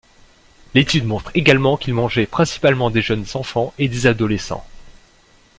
L'étude montre également qu'ils mangeaient principalement des jeunes enfants et des adolescents.